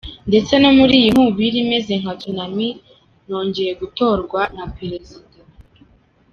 Ndetse no muri iyi nkubiri imeze nka tsunami nongeye gutorwa nka perezida.